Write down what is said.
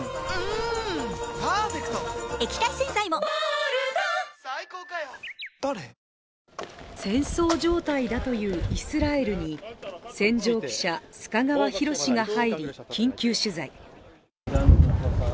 おいしさプラス戦争状態だというイスラエルに戦場記者須賀川拓が入り、緊急取材。